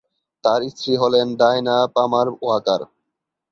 তার স্ত্রী হলেন ডায়ানা পামার ওয়াকার।